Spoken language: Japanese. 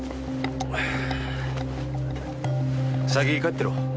先帰ってろ。